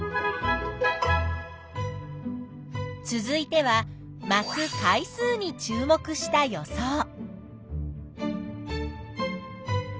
続いては「まく回数」に注目した予想。